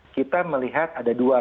kita melihat ada dua